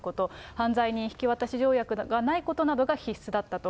犯罪人引き渡し条約がないことなどが必須だったと。